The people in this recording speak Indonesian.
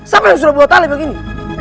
siapa yang suruh bawa tali begini